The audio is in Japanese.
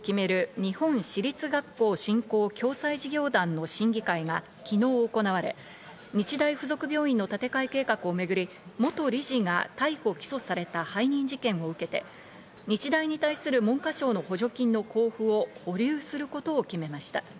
日本私立学校振興・共済事業団の審議会が昨日行われ、日大付属病院の建て替え計画をめぐり、元理事が逮捕・起訴された背任事件を受けて日大に対する文科省の補助金の交付を保留することを決めました。